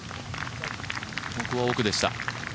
ここは奥でした。